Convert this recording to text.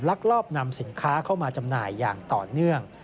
ลักลอบนำสินค้าเข้ามาจำหน่ายอย่างต่อเนื่อง